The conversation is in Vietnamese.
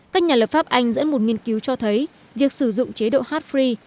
các nhà lập pháp anh dẫn một nghiên cứu cho thấy việc sử dụng chế độ hard free